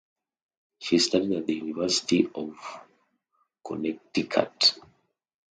She studied at the University of Connecticut.